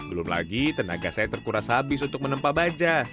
belum lagi tenaga saya terkuras habis untuk menempa baja